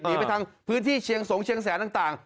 หนีไปทางพื้นที่เชียงสงเชียงแสนต่าง